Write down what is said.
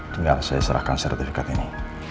tinggal saya serahkan sertifikat ini